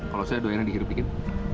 kalau saya dua yang dihirup dikin